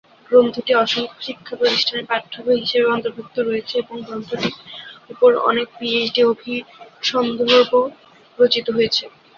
গ্রন্থটি অসংখ্য শিক্ষা প্রতিষ্ঠানের পাঠ্যবই হিসেবে অন্তর্ভুক্ত রয়েছে এবং গ্রন্থটির উপর অনেক পিএইচডি অভিসন্দর্ভ রচিত হয়েছে।